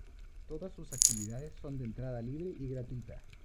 Todas sus actividades son de entrada libre y gratuita.